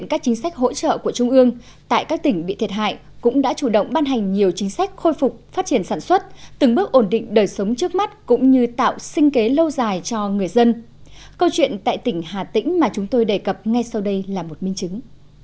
câu chuyện tại tỉnh hà tĩnh mà chúng tôi đề cập ngay sau đây là một minh chứng